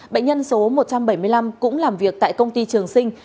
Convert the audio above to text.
bệnh nhân số một trăm bảy mươi năm cũng làm việc tại công ty trường sinh